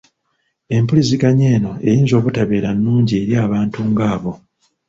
Empuliziganya eno eyinza obutabeera nnungi eri abantu ng’abo.